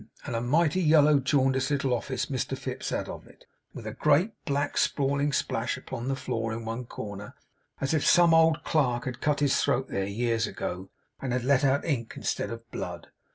And a mighty yellow jaundiced little office Mr Fips had of it; with a great, black, sprawling splash upon the floor in one corner, as if some old clerk had cut his throat there, years ago, and had let out ink instead of blood.